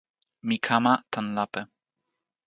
mi kama tan lape.